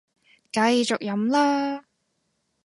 繼續飲啦